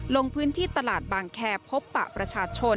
ลงพื้นที่ตลาดบางแคร์พบปะประชาชน